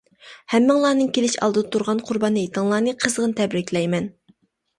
ھەممىڭلارنىڭ كېلىش ئالدىدا تۇرغان قۇربان ھېيتىڭلارنى قىزغىن تەبرىكلەيمەن.